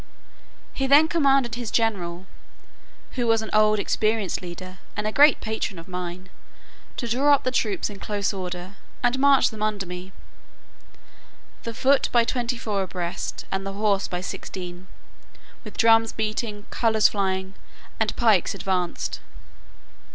He then commanded his general (who was an old experienced leader, and a great patron of mine) to draw up the troops in close order, and march them under me; the foot by twenty four abreast, and the horse by sixteen, with drums beating, colours flying, and pikes advanced.